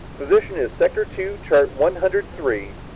Position is sector two, chart one hundred three.